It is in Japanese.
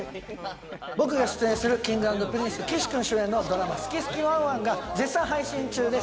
僕が出演するＫｉｎｇ＆Ｐｒｉｎｃｅ・岸君主演のドラマ『すきすきワンワン！』が絶賛配信中です。